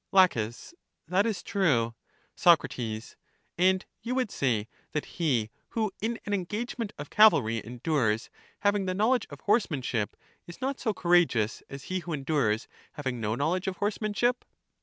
La, That is true. Soc, And you would say that he who in an engage ment of cavalry endures, having the knowledge of horsemanship, is not so courageous as he who endures, having no knowledge of horsemanship